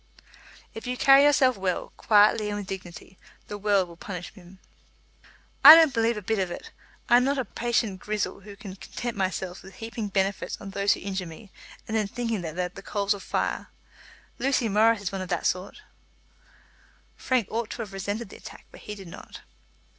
"If you carry yourself well, quietly and with dignity, the world will punish him." "I don't believe a bit of it. I am not a Patient Grizel who can content myself with heaping benefits on those who injure me, and then thinking that they are coals of fire. Lucy Morris is one of that sort." Frank ought to have resented the attack, but he did not.